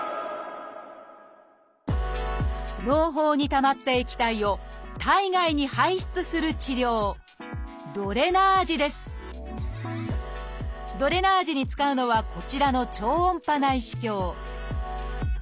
のう胞にたまった液体を体外に排出する治療ドレナージに使うのはこちらの「超音波内視鏡」